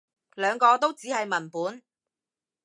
兩個都只係文本